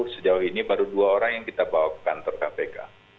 sejauh ini baru dua orang yang kita bawa ke kantor kpk